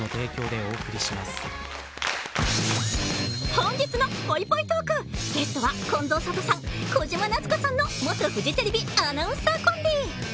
本日のぽいぽいトークゲストは近藤サトさん、小島奈津子さんの元フジテレビアナウンサーコンビ。